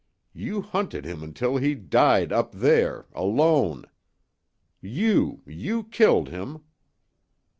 You hunted him until he died up there alone. You you killed him."